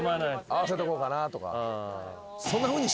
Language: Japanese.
合わせとこうかなとか。